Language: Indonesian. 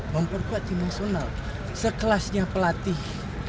memperkuat tim nasional sekelasnya pelatih